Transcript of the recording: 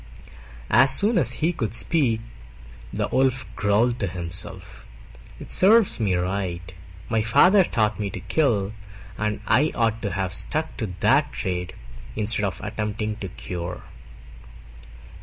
As soon as he could speak the Wolf growled to himself, "It serves me right: my father taught me to kill, and I ought to have stuck to that trade instead of attempting to cure."